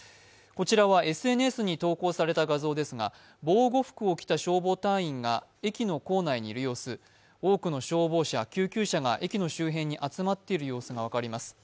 こちらはＳＮＳに投稿された画像ですが、防護服を着た消防隊員が駅の構内にいる様子、多くの消防車、救急車が駅の周辺に集まっている様子が分かります。